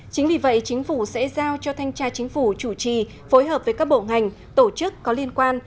chính vì vậy chính phủ sẽ giao cho thanh tra chính phủ chủ trì phối hợp với các bộ ngành tổ chức có liên quan